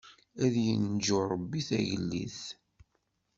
Ad yenǧu Rebbi tagellidt.